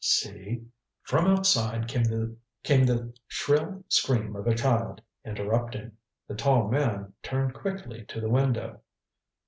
"See " From outside came the shrill scream of a child, interrupting. The tall man turned quickly to the window.